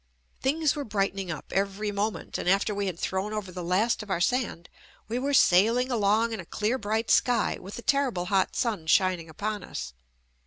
Things were brightening up every moment, and after we had thrown over the last of our sand we were sailing along in a clear bright sky with the terrible hot sun shining upon us.